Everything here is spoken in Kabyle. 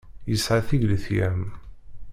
Yesɛa tigletyam.